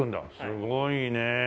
すごいねえ。